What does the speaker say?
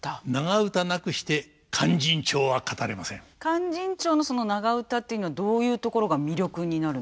「勧進帳」のその長唄っていうのはどういうところが魅力になるんですか。